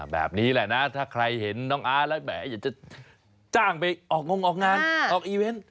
แบบนี้แหละนะถ้าใครเห็นน้องอาร์ตแล้วแหมอยากจะจ้างไปออกงงออกงานออกอีเวนต์